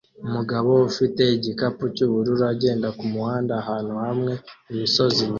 Umugabo ufite igikapu cyubururu agenda kumuhanda ahantu hamwe imisozi inyuma